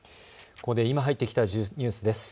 ここで今入ってきたニュースです。